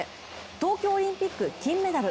東京オリンピック金メダル